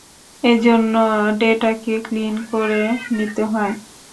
এজন্য ডেটাকে ক্লিন করে নিতে হয়।